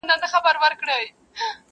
په قبرو کي د وطن په غم افګار یو.!